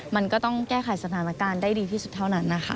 มันก็ต้องแก้ไขสถานการณ์ได้ดีที่สุดเท่านั้นนะคะ